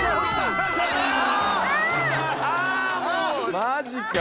マジか。